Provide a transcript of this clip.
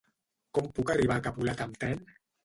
Com puc arribar a Capolat amb tren?